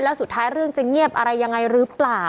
แล้วสุดท้ายเรื่องจะเงียบอะไรยังไงหรือเปล่า